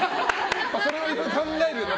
それはいろいろ考えるよな